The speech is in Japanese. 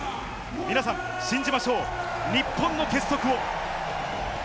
皆さん、信じましょう、日本の結束を。